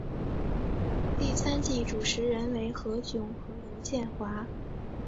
第三季主持人为何炅和刘宪华。